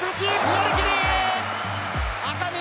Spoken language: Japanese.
寄り切り！